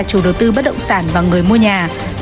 chủ đầu tư bất động sản và người mua nhà